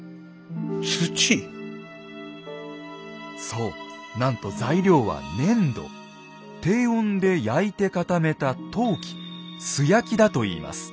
そうなんと材料は低温で焼いて固めた陶器素焼きだといいます。